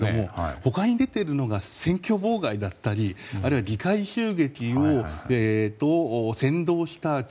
他に出ているのが選挙妨害だったりあるいは議会襲撃を扇動した罪。